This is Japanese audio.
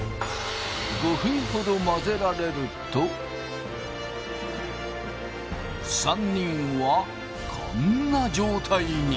５分ほど混ぜられると３人はこんな状態に。